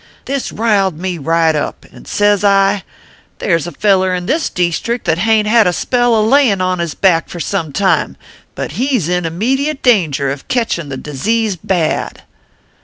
This riled me rite up, and sez I : There s a feller in this deestrict that hain t had a spell of layin on his back for some time : but he s in immediate clanger of ketchin the disease bad.